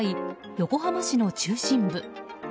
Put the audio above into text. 横浜市の中心部。